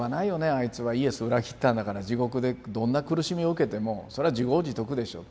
あいつはイエスを裏切ったんだから地獄でどんな苦しみを受けてもそれは自業自得でしょ